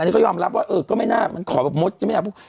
อันนี้ก็ยอมรับว่าเออก็ไม่น่ามันขอแบบมดยังไม่อยากพูด